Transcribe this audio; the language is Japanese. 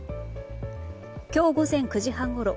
今日午前９時半ごろ